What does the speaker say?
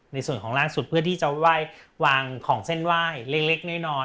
ในส่วนของล่างสุดเพื่อที่จะเส้นไหว้เล็ก